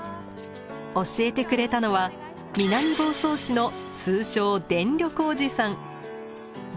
教えてくれたのは南房総市の通称電力おじさん。